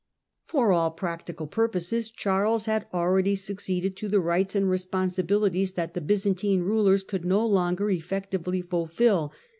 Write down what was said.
For all practical purposes Charles had already succeeded to the rights and responsibilities that the Byzantine rulers could no longer effectively fulfil.